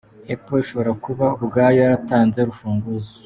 Apple ishobora kuba ubwayo yaratanze urufunguzo.